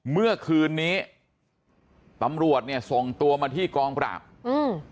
เมื่อคืนนี้ตำรวจเนี่ยส่งตัวมาที่กองปราบอืม